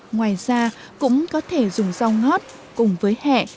ngoài ra cũng có thể dùng rau ngót cùng với hẹ